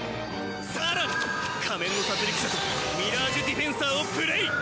更に仮面の殺戮者とミラージュディフェンサーをプレイ！